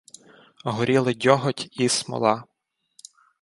Горіли дьоготь і смола.